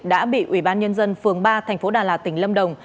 đã bị ubnd phường ba tp đà lạt tỉnh lâm đồng